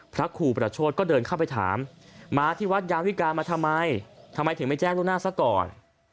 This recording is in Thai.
พระครูประโชธก็เดินเข้าไปถามมาที่วัดยาวิการมาทำไมทำไมถึงไม่แจ้งล่วงหน้าซะก่อน